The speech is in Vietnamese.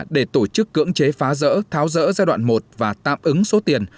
để tổ chức cưỡng chế phá rỡ tháo rỡ giai đoạn một và tạm ứng số tiền